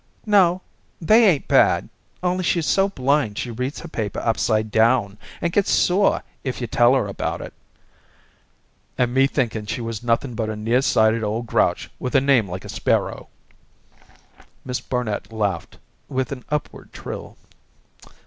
"No, they ain't bad. Only she's so blind she reads her paper upside down and gets sore if you tell her about it." "And me thinking she was nothing but a near sighted old grouch with a name like a sparrow." Miss Barnet laughed with an upward trill.